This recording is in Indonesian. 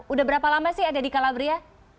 udah berapa lama sih ada di calabria